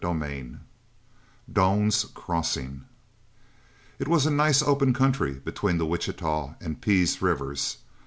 CHAPTER IX DOAN'S CROSSING It was a nice open country between the Wichita and Pease rivers.